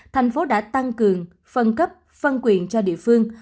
thành phố đã tăng cường phân cấp phân quyền cho địa phương